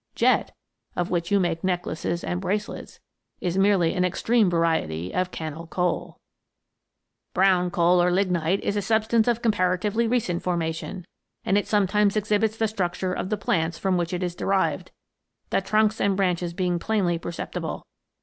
Jet, of which you make necklaces and bracelets, is merely an extreme variety of cannel coal. " Brown coal, or lignite, is a substance of compa ratively recent formation, and it sometimes exhibits the structure of the plants from which it is derived, the trunks and branches being plainly perceptible.